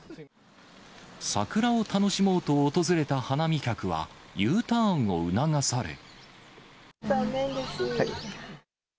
桜を楽しもうと訪れた花見客残念です。